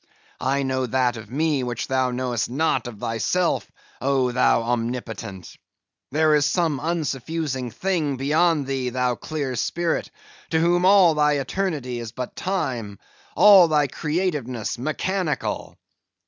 I know that of me, which thou knowest not of thyself, oh, thou omnipotent. There is some unsuffusing thing beyond thee, thou clear spirit, to whom all thy eternity is but time, all thy creativeness mechanical.